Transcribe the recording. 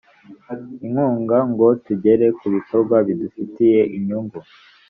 inkunga ngo tugere ku bikorwa bidufitiye inyungu